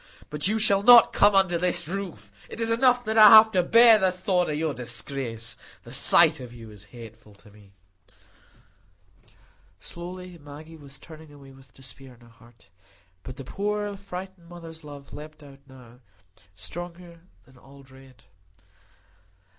But you shall not come under my roof. It is enough that I have to bear the thought of your disgrace; the sight of you is hateful to me." Slowly Maggie was turning away with despair in her heart. But the poor frightened mother's love leaped out now, stronger than all dread.